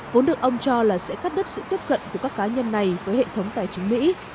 vốn được ông cho là sẽ cắt đứt sự tiếp cận của các cá nhân này với hệ thống tài chính mỹ